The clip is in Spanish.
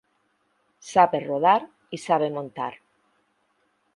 Sabe rodar y sabe montar.